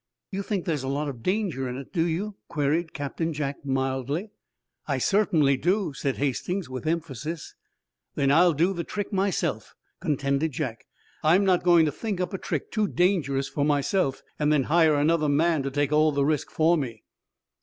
"You think there's a lot of danger in it, do you?" queried Captain Jack, mildly. "I certainly do," said Hastings, with emphasis. "Then I'll do the trick myself," contended Jack. "I'm not going to think up a trick too dangerous for myself, and then hire another man to take all the risk for me."